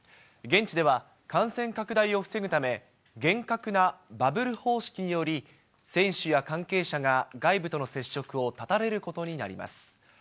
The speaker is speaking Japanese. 現地では感染拡大を防ぐため、厳格なバブル方式により、選手や関係者が外部との接触を断たれることになります。